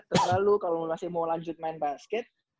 terus lalu kalo masih mau lanjut main basket